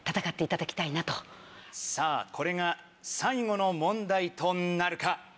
さぁこれが最後の問題となるか。